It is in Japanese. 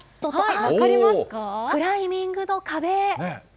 クライミングの壁。